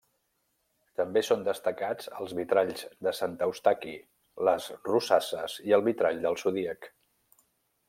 També són destacats els vitralls de Sant Eustaqui, les rosasses i el vitrall del Zodíac.